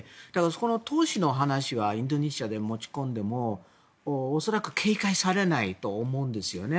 その投資の話はインドネシアに持ち込んでも恐らく警戒されないと思うんですよね。